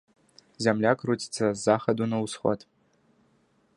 Зямля круціцца з захаду на ўсход.